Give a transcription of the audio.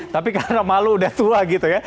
tapi karena malu udah tua gitu ya